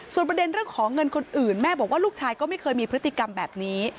ประเด็นเรื่องของเงินคนอื่นแม่บอกว่าลูกชายก็ไม่เคยมีพฤติกรรมแบบนี้